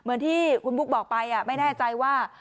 เหมือนที่คุณบุ๊คบอกไปไม่แน่ใจว่า